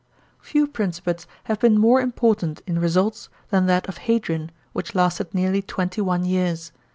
* Few principates have been more important in results than that of Hadrian, which lasted nearly twenty one years.